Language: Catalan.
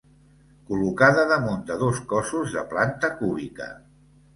Col·locada damunt de dos cossos de planta cúbica.